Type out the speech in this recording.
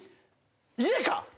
家か！？